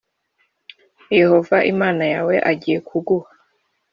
Yehova Imana yawe agiye kuguha.